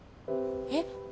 えっ？